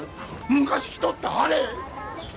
昔着とったあれ！